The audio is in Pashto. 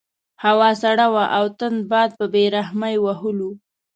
هوا سړه وه او تند باد په بې رحمۍ وهلو.